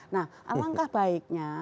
nah alangkah baiknya